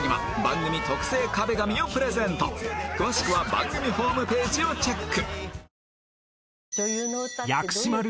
詳しくは番組ホームページをチェック